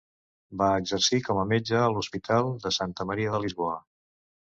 Va exercir com a metge a l'hospital de Santa Maria de Lisboa.